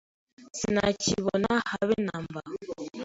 Sinakibona habe namba